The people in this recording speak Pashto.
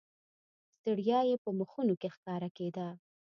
ستړیا یې په مخونو کې ښکاره کېده.